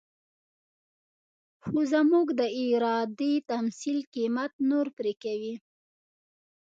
خو زموږ د ارادې تمثيل قيمت نور پرې کوي.